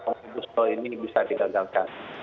pembuslo ini bisa digagalkan